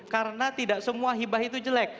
karena tidak semua hibah itu jelek